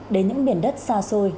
đến những biển đất xa xôi